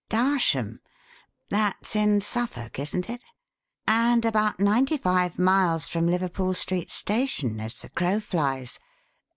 "Darsham? That's in Suffolk, isn't it? And about ninety five miles from Liverpool Street Station, as the crow flies.